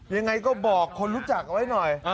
ยังไงก็บอกคนรู้จักเอาไว้หน่อย